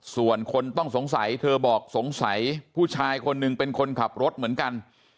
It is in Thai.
ส่วนคนต้องสงสัยเธอบอกสงสัยผู้ชายคนหนึ่งเป็นคนขับรถเหมือนกัน